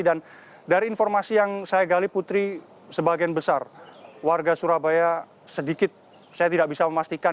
dan dari informasi yang saya gali putri sebagian besar warga surabaya sedikit saya tidak bisa memastikan